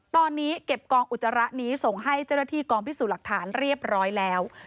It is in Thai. ตอนนี้เก็บกองอุจจาระนี้ส่งให้เจ้าหน้าที่กองพิสูจน์หลักฐานเรียบร้อยแล้ว